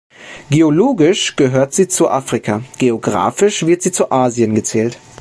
Geologisch gehört sie zu Afrika, geographisch wird sie zu Asien gezählt.